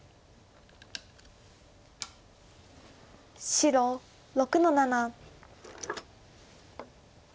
白６の七。